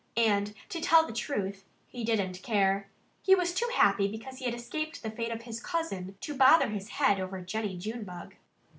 And to tell the truth, he didn't care. He was too happy because he had escaped the fate of his cousin, to bother his head over Jennie Junebug.